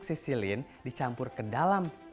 dua biji amoksisilin dicampur ke dalam tubuh